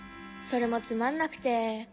それもつまんなくて。